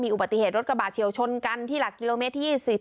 อุบัติเหตุรถกระบาดเฉียวชนกันที่หลักกิโลเมตรที่๒๐